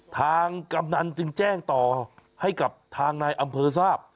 กำนันจึงแจ้งต่อให้กับทางนายอำเภอทราบ